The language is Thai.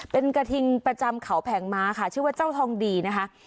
เป็นกระทิงประจำเขาแผงม้าค่ะชื่อว่าเจ้าทองดีนะคะ